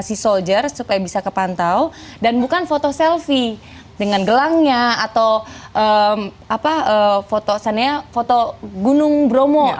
si soldier supaya bisa kepantau dan bukan foto selfie dengan gelangnya atau apa foto gunung bromo